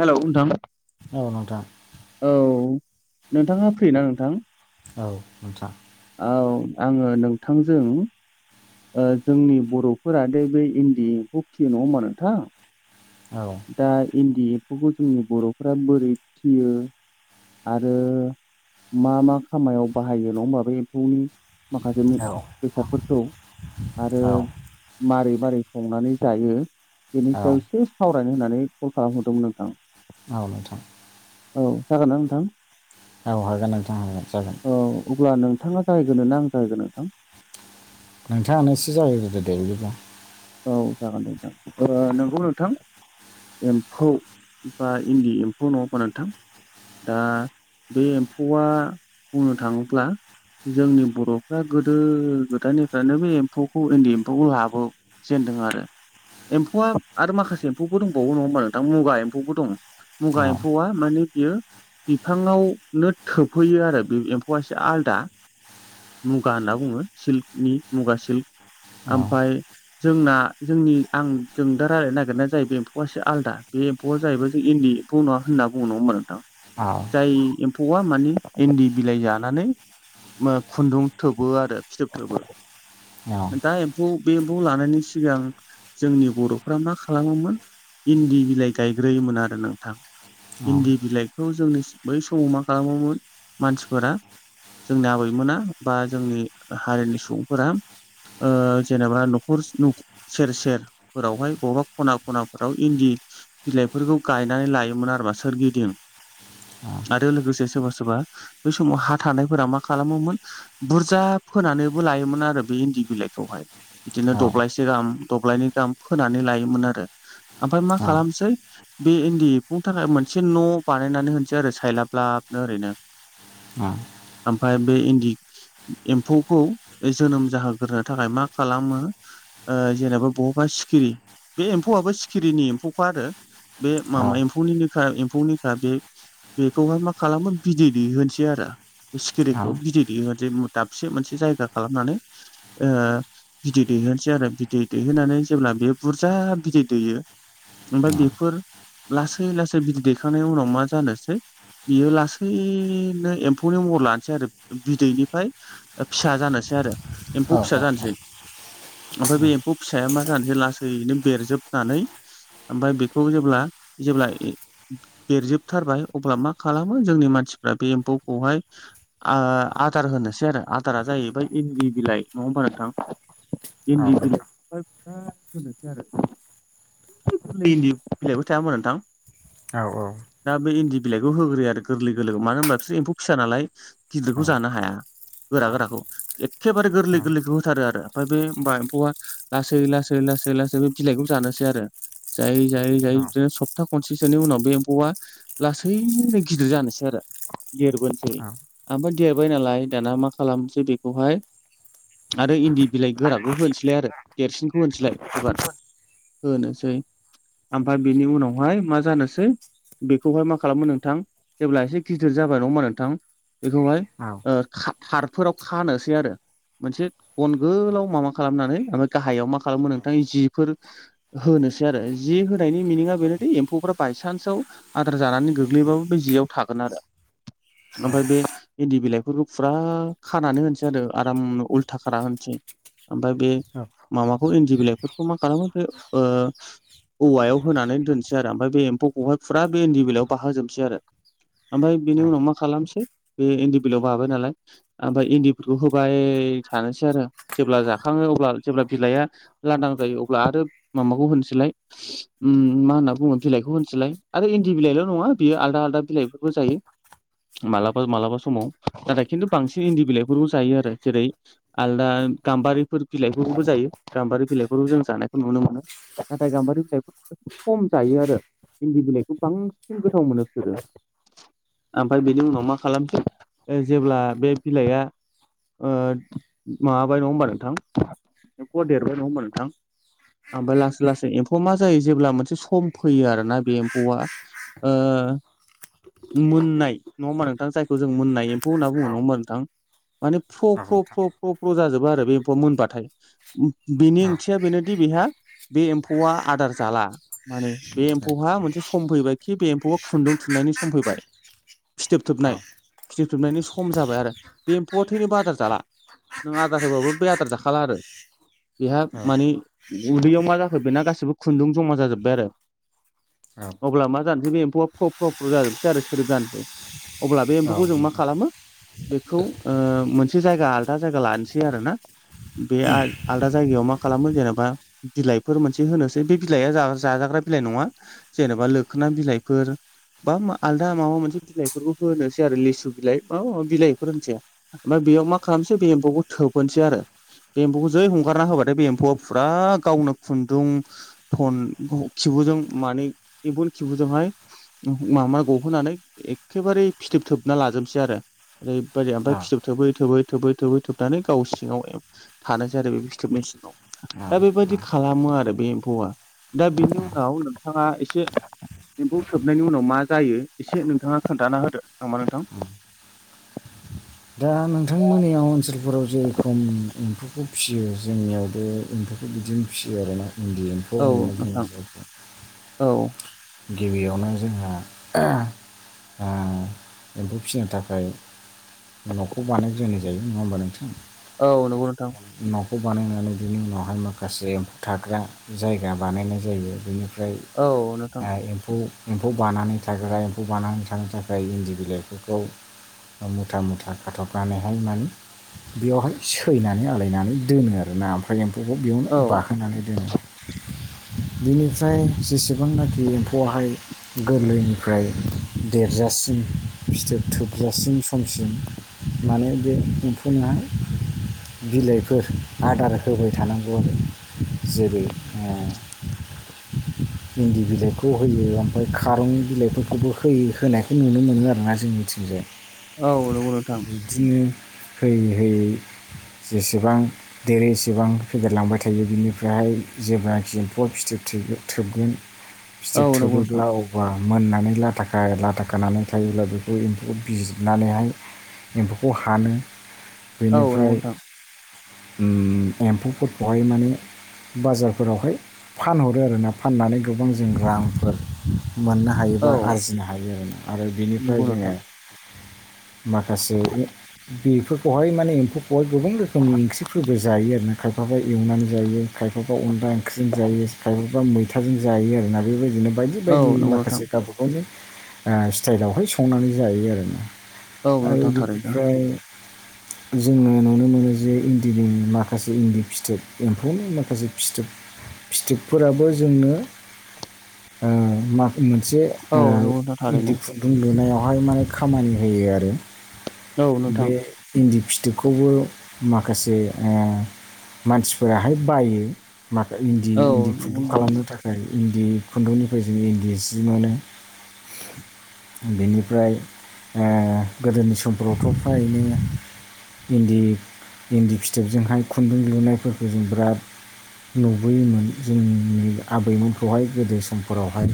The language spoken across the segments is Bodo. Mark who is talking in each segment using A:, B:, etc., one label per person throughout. A: हेलौ नोंथां
B: औ नोंथां
A: औ नोंथाङा फ्रि ना नोंथां
B: औ नोंथां
A: औ आङो नोंथांजों ओ जोंनि बरफोरा दे बे इन्दि एमफौ फिसियो नङा होमबा नोंथां
B: औ
A: दा इन्दि एम्फौखौ जोंनि बरफोरा बोरै फिसियो आरो मा मा खामायाव बाहायो नङा होमबा बे एम्फौनि माखासे मु
B: औ
A: बेसादफोरखौ आरो मारै - मारै संनानै जायो बेनि
B: औ
A: सायाव से सावरायनो होननानै कल खालामहरदोंमोन नोंथां
B: आव नोंथां
A: औ जागोन ना नोंथां
B: औ हागोन नोथां हागोन जागोन
A: औ अब्ला नोंथाङा जागायगोरनो ना आं जागायगोरनो नोंथां
B: नोंथाङानो एसे जागायग्रोदो दे बिदिब्ला
A: औ जागोन दे नोंथां ओ नोंगौ नोंथां एम्फौ बा इन्दि एम्फौ नङा होनबा नोंथां दा बे एम्फौआ बुंनो थाङोब्ला जोंनि बरफ्रा गोदो गोदायनिफ्रायनो बे एम्फौखौ इन्दि एम्फौखौ लाबो जेनदों आरो एम्फौआ आरो माखासे एम्फौबो दंबावो नङा होमबा नोंथां मुगा एम्फौबो दं।
B: औ
A: मुगा एम्फौआ माने बियो बिफाङावनो थोबहैयो आरो बे एम्फौआ एसे आलदा मुगा होनना बुङो सिल्कनि मुगा
B: औ
A: सिल्क ओमफाय जोंना जोंनि आं जों दा रायलायनो नागिरनाया जाहैबाय एम्फौआ एसे आलदा बे फआ जाहैबाय जों इन्दि एमफौ ना होनना बुंङा नङा होनबा नोंथां
B: औ
A: जाय एम्फौआ माने एन्दि बिलाइ जानानै म खुन्दुं थोबो आरो फिथोब थोबो
B: औ
A: दा एम्फौ बे खौ लानायनि सिगां जोंनि बरफ्रा मा खालामोमोन इन्दि बिलाइ गायग्रोयोमोन आरो नोंथां।
B: औ
A: इन्दि बिलाइखौ जोंनि बै समाव मा खालामोमोन मानसिफोरा जोंनि आबैमोना बा जोंनि हारिनि सुबुंफोरा ओ जेनेबा न खरस नख सेर सेर फोरावहाय बबेबा खना खनाफोरावहाय इन्दि बिलाइफोरखौ गायनानै लायोमोन आरोमा सोरगिदिं। आरो लोगोसे सोरबा सोरबा बै समाव हा थानायफोरा मा खालामोमोन बुरजा फोनानैबो लायोमोन आरो बे इन्दि बिलाइखौहाय बिदिनो
B: औ नोंथां
A: दब्लायस दि गाम दब्लायनि गाहाम फोनानै लायोमोन आरो ओमफ्रय मा
B: औ
A: खालामनोसै बे इन्दि एमफुनि थाखाय मोनसे न बानायनानै होनोसै आरो सायलाब लाबनो ओरैनो
B: [unintelligible]
A: ओमफायय बे इन्दि एम्फौखौ जोनोम जाहोग्रोनो थाखाय मा खालामो ओ जेनेबा बबावबा सिखिरि बे एम्फौआबो सिखिरिनि एम्फौखा आरो बे
B: औ नोंथां
A: मामा
B: औ नोंथां
A: एम्फौनिनो खा एम्फौ निखा बे बेखौहाय मा खालामो बिदै दै होनोसै आरो
B: औ
A: सिखिरिखौ बिदै दै होनोसै मु दाबसे मोनसे जायगा खालामनानै ओ बिदै दैहोनोसै आरो बिदै दैहोनानै जेब्ला बेयो बुरजा बिदै दैयो ओमफ्राय बेफोर लासै लासै बिदै दैखांनायनि उनाव मा जानोसै बियो लासैनो एम्फौनि महर लानोसै आरो बिदैनिफाय फिसा जानोसै आरो।
B: औ औ औ।
A: ओमफाय बे एम्फौ फिसाया मा जानोसै लासैनो बेरजोबनानै ओमफाय बेखौ जेब्ला जेब्ला ए बेरजोबथारबाय अब्ला मा खालामो जोंनि मानसिफ्रा बे एम्फौखौहाय आ आदार होनोसै आरो आदारा जाहैबाय इन्दि बिलाइ नङा होमबा नोंथां? इन्दि बि ओमफाय फिसा होनोसै आरो गोरलै इन्दि बिलाइबो थाया होमबा नोंथां?
B: औ औ
A: दा बै इन्दि बिलाइखौ होग्रोयो आरो गोरलै गोरलैखौ मानो होमबा बिसोर एम्फौ फिसा नालाय गिदिरखौ जानो हाया। गोरा गोराखौ एखेबारे गोरलै गोरलैखौ होथारो आरो। ओमफाय बे होमबा एम्फौआ लासै लासै लासै लासै बे बिलाइखौ जानोसै आरो। जायै जायै जायै बिदिनो सप्ता खनसेसोनि उनाव बे एम्फौआ लासैनो गिदिर जानोसै आरो देरबोनोसै। ओमफाय देरबाय नालाय दाना मा खालामनोसै बेखौहाय आरो इन्दि बिलाइ गोराखौ होनोसैलाय आरो देरसिनखौ होनसैलाय एबार होनोसै ओमफाय बिनि उनावहाय मा जानोसै बेखौहाय मा खालामो नोंथां जेब्ला एसे गिदिर जाबाय नङा होमबा नोंथां? बेखौहाय ओ खा थारफोराव खानोसै आरो मोनसे गन गोलाव मा खालामनानै ओमफाय गाहायाव मा खालामो नोंथांनि जिफोर होनोसै आरो जि होनायनि मिनिङा बेनोदि एम्फौफ्रा बायसान्सआव आद्रार जानानै गोग्लैबाबो बे जेयाव थागोन आरो। ओमफाय बे इन्दि बिलाइफोरखौ फुरा खानानै होनसै आरो आराम उल्था खाना होन सै ओमफाय बे माबाखौ इन्दि बिलाइफोरखौ मा खालामो बे ओ औवायाव होनानै दोनसै आरो ओमफाय बे एम्फौखौहाय फुरा बे इन्दि बिलाइयाव बाहो जोबनोसै आरो। ओमफाय बिनि उनाव मा खालामसै बे इन्दि बिलाइयाव बाबाय नालाय ओमफाय इन्दिफोरखौ होबाय थानोसै आरो। जेब्ला जाखाङो अब्ला जेब्ला बिलाइया लांदां जायो अब्ला आरो माबाखौ होनसैलाय उम मा होनना बुङो बिलाइखौ होनसैलाय आरो इन्दि बिलाइल' नङा बियो आलदा आलदा बिलाइफोरबो जायो। मालाबा मालाबा समाव नाथाय खिन्थु बांसिन इन्दि बिलाइफोरबो जायो आरो जेरै आलदा गाम्बारिफोर बिलाइफोरखौबो जायो गाम्बारि बिलाइफोरखौबो जों जानायखौ नुनो मोनो नाथाय गाम्बारि बिलाइफोर खम जायो आरो इन्दि बिलाइखौ बांसिन गोथाव मोनो बिसोरो। ओमफाय बिनि उनाव मा खालामसै जेब्ला बे बिलाइआ ओ माबाबाय नङा होमबा नोंथां एम्फौया देरबाय नङा होमबा नोंथां। ओमफाय लासै लासै एम्फौआ मा जायो जेब्ला मोनसे सम फैयो आरोना बे एम्फौआ ओ मोन्नाय नङा होमा नोंथां जायखौ जों मोन्नाय एम्फौ होनना बुङो नङा होमबा नोंथां। माने फ्र' फ्र' फ्र' फ्र' फ्र' जाजोबबो आरो बे एम्फौ मोनबाथाय। बिनि ओंथिया बेनोदि बेहा बे एम्फौआ आदार जाला। माने बे एम्फौहा मोनसे सम फैबाय खि बे एम्फौआ खुन्दुं थुननायनि सम फैबाय। फिथोब थोबनाय फिथोब थोबनायनि सम जाबाय आरो बे एम्फौआ थैनोबो आदार जाला। नों आदार होबाबो बे आदार जाखाला आरो बेहा मानि उदैयाव मा जाखो बेना गासिबो खुन्दुं जमा जाजोब्बाय आरो। अब्ला मा जानोसै बे एम्फौआ फ्र' फ्र'' जाजोबसै आरो सोदोब जानोसै अब्ला बे एम्फौखौ जों मा खालामो बेखौ ओ मोनसे जायगा आल दा जायगा लानोसै आरो ना बे आर आलादा जायगायाव मा खालामो जेनेबा बिलाइफोर मोनसे होनोसै बे बिलाइआ जाजाग्रा बिलाइ नङा। जेनेबा लोखोना बिलाइफोर बा आलदा माबा मोनसे बिलाइफोरबो होनोसै आरो लिसु बिलाइ माबा माबा बिलाइफोर होनोसै ओमफ्राय बेयाव मा खालामसै बे एम्फौखौ थोबहोनोसै आरो। बे एम्फौखौ जै हंगारना होबाथाय बे एम्फौआ फुरा गावनो खुन्दुं फन खिबुजों माने इभुन खिबुजोंहाय माबा गहोनानै एखेबारे फिथोब थोबना लाजोबसै आरो। ओरैबायदि ओमफ्राय फिथोब थोबै थोबै थोबै थोबै थोबनानै गाव सिङाव थानोसै आरो बे फिथोबनि सिंआव। दा
B: औ
A: बेबायदि खालामो आरो बे एम्फौआ दा बिनि
B: औ
A: उनाव नोंथाङा एसे एम्फौ सोबनायनि उनाव मा जायो एसे नोंथाङा खोन्थाना होदो नामा नोंथां
B: दा नोंथांमोननियाव ओनसोलफोराव जेरखम एम्फौखौ फिसियो जोंनियावबो एम्फौखौ बिदिनो फिसियो आरोना इन्दि एम्फौ
A: औ
B: होननानै बुङो
A: नोंथां
B: जायखौ।
A: औ
B: गिबियावनो जोंहा ओ आ एम्फौ फिसिनो थाखाय न'खौ बानाय ग्रोनाय जायो नङा होमबा नोंथां
A: औ नंगौ नोंथां
B: न'खौ बानायनानै बिनि उनावहाय माखासे एम्फौ थाग्रा जायगा बानायनाय जायो बिनिफ्राय
A: औ नों
B: आ एमफौ एम्फौ बानानै थाग्रा एम्फौ बानानै थानो थाखाय इन्दि बिलाइफोरखौ मुथा मुथा खाथबनानैहाय माने बेयावहाय सैनानै आलायनानै दोनो आरोना ओमफ्राय फाइ एम्फौखौ बेयावनो
A: औ
B: बाखोनानै दोनो बेनिफ्राय जेसेबांनाखि बे एम्फौआाहाय गोरलैनिफ्राय देरजासिम फिथोब थोबजासिम समसिम माने बेे उफुनाहा बिलाइफोर आदार होबाय थानांगौ जेरै आ इन्दि बिलाइखौ होयो ओमफ्राय खारौनि बिलाइफोरखौबो होयो होनायखौ नुनो मोनो आरोना जोंनि [inaudible]
A: औ नंगौ नोंथां
B: बिदिनो होयै होयै जेसेबां देरै एसेबां फेदेरलांबाय थायो बिनिफ्रायहाय जेब्लाखि एम्फौ फिथोब थोब थोबगोन
A: औ
B: फिथोब
A: नंगौ नोंथां
B: थोबोब्ला औ मा मोननानै लाथा लाथा खानानै थायोब्ला बेखौ एम्फौखौ बिजिरनानैहाय एम्फौखौ हानो
A: औ नंगौ
B: बेनिफ्राय
A: नोंथां
B: उम एम्फौफोरखौहाय माने बाजारफोरावहाय फानहरो आरोना फाननानै गोबां जों रांफोर मोननो हायो हायोबा
A: औ
B: आरजिनो हायो आरोोना आरो बिनिफ्राय
A: नंगौ
B: जोङो
A: नोंथां
B: माखासे बेफोरखौहाय माने एम्फौखौहाय गोबां रोखोमनि ओंख्रिफोरबो जायो आरो ना खायफाबा एवनानै जायो खायफाबा अनला ओंख्रिजों जायो खायफाबा मै खोथाजों जायो आरोना बेबायदिनो बायदि
A: औ
B: बायदि
A: नंगौ नोंथां
B: माखासे गाबु बेनो स्टाइलावहाय संनानै जायो आरो ना
A: औ
B: आरो
A: नोंथां थारैनो
B: बिनिफ्राय
A: [inaudible]
B: जोङो नुनो मोनो जे इन्दिनि माखासे इन्दि फिथोब एम्फौनि माखासे फिथोब फिथोबफोराबो जोंनो आ माखु मोनसे आ
A: औ नंगौ नोंथां थारैनो
B: [unintelligible] दुं लुनायावहाय माने खामानि होयो आरो
A: औ नोंथां
B: बे इन्दि फिथोबखौबो माखासे ओ मानसिफोराहाय बायो। मानो इन्दिी
A: औ
B: इन्दिी फुं थाखाय इन्दि खुन्दुंनिफ्राय जों इन्दि जि मोनो बेनिफ्राय ओ गोदोनि समफोरावथ' फ्राय इदोनो इन्दि इन्दि फिथोबजोंहाय खुन्दुं लुनायफोरखौ जों बिराद नुबोयोमोन जों आबैमोनखौहाय गोदो समफोरावहाय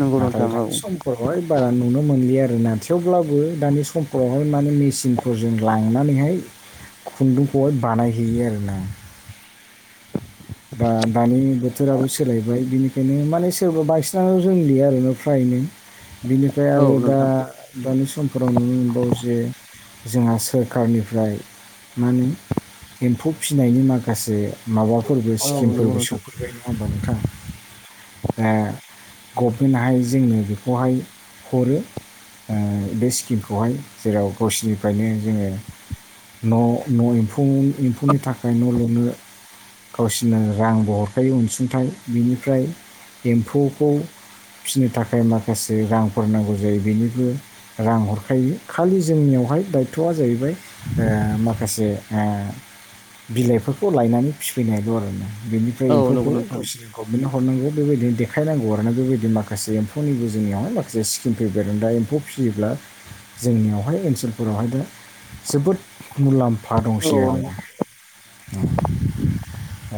A: नंगौ नोंथां
B: नाथाय
A: औ
B: दानि बे सम अबेहाय बारा नुनो मोनलि आरो थेवब्लाबो दानि समफोरावहाय माने मेसिन फोरजों लांनानैहाय खुन्दुंखौहाय बानायहैयो आरोोना दा दानि बोथोराबो सोलायबाय बिनि बेनो माने सोरबा बांसिनल' जोंलि आरोोना फ्रायनो बिनिफ्राय
A: औ
B: आरो दा
A: नोंथां
B: दानि समफोराव नुनो मोनबावो जे जोंहा सोरखारनिफ्राय मा होनो एम्फौ फिसिनायनि माखासे माबाफोरबो
A: औ नंगौ
B: स्किमफोरबो
A: नोंथां
B: सौफैयो गना बथां [unintelligible] ऐ गभमेन्टहाय जोंनो बेखौहाय हरो बे स्किमखौहाय जेराव गावसिनिफ्रायनो जोङो न' न' एम्फौ एम्फौनि थाखाय न' लुनो गावसोरनो रांबो हरखायो अनसुंथाइ बिनिफ्राय एम्फौखौ फिसिनो थाखाय माखासे रांफोर नांगौ जायो बेनिबो रां हरखायो खालि जोंनियावहाय दायथ'आ जाहैबाय बे माखासे बे बिलाइफोरखौ लायनानै फिफैनाय दं आरोोना बेनिफ्राय
A: औ नंगौ
B: एम्फौखौ
A: नोंथां
B: द गभनमेन्टआव हरनांगौ बेबायदिनोेखायनांगौ आर ना बेबायदि माखासे एमफौनिबो जोंनियावहाय मासे स्किम फैबाय आरो दा एम्फौ फियोब्ला जोंनियावहाय ओनसोलफोरावहाय दा जोबोद मुलाम्फा बिफा दंसै
A: औ
B: आरोना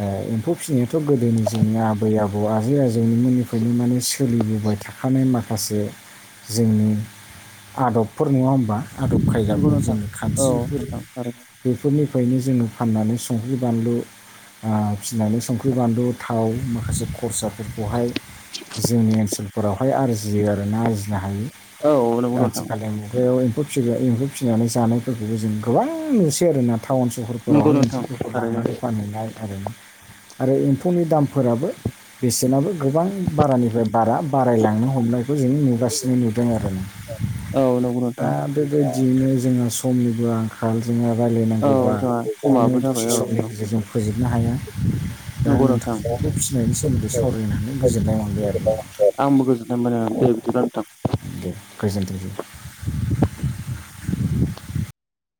B: ओ एम्फौ फिसिनायाथ' गोदोनि जोंनि आबै आबौ आजै आजौनिमोननिफ्रायनो माने सोलिबोबाय थाख नाय माखासे जोंनि आदबफोर नङा होमबा आदब
A: नंगौ
B: खायगाफोर जों
A: नोंथां औ
B: खाथिफोर
A: नोंथां थारैनो
B: बेफोरनिफ्रायनो जोङो फाननानै संख्रि बानलु अ फिसिनानै संख्रि बानलु थाव माखासे खरसाफोरखौहाय जोंनि ओनसोलफोरावहाय आरजियो आर ना आरजिनो हायो
A: औ नंगौ नोंथां
B: आथिखालनि मुगायाव एम्फौ फिसि्रा एम्फौ फिसिनानै जानायफोरखौबो जों गोबां नुसै आरो ना टाउन
A: नंगौ
B: सहरफोरावहाय
A: नोंथां
B: ओंख्रिफोरखौ
A: थारैनो
B: लांनानै नाय आरो आरो एम्फौनि दामफोराबो बेसेनाबो गोबां बारानिफ्राय बारा बारायलांनो हमनायखौ जों नुगासिनो नुदों आरो ना
A: औ नंगौ
B: दा
A: नोंथां
B: बेबायदियैनो जोंहा समनिबो आं [unintelligible] जोङो
A: औ
B: रायज्लायनांगौबा
A: जोंहा
B: माने
A: समाबो
B: दसे
A: जाबाय औ
B: समनि
A: नोंथां
B: गेजेरजों फोजोबनो हाया। दा
A: नंगौ नोंथां
B: नोंथांखौ [unintelligible] फिसिनायनि सोमोन्दै सावरायनो हानो गोजोननाय मोनबाय आरो।
A: आंबो गोजोननाय मोनबाय दे बिदिबा नोंथां।
B: दे गोजोनथों।